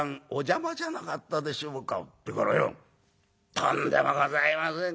『とんでもございません。